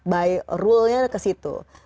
by rule nya kesitu